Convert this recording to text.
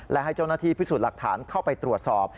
และให้เจ้าหน้าที่พิสูจน์หลักฐานเข้าไปตรวจสอบ